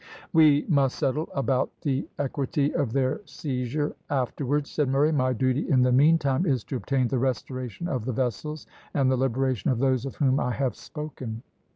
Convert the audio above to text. "We must settle about the equity of their seizure afterwards," said Murray; "my duty, in the meantime, is to obtain the restoration of the vessels, and the liberation of those of whom I have spoken."